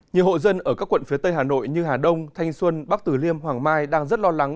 nhiều hộ dân ở các quận phía tây hà nội như hà đông thanh xuân bắc tử liêm hoàng mai đang rất lo lắng